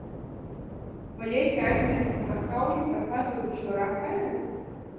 Vai esi aizmirsis par kauju par pazudušo Rafaelu?